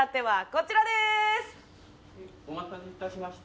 お待たせ致しました。